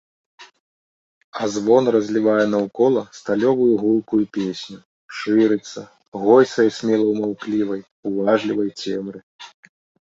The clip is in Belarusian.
А звон разлівае наўкола сталёвую гулкую песню, шырыцца, гойсае смела ў маўклівай, уважлівай цемры.